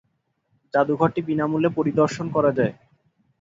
জাদুঘরটি বিনামূল্যে পরিদর্শন করা যায়।